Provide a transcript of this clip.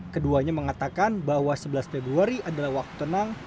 keduanya mengatakan bahwa sebelas februari adalah waktu tenang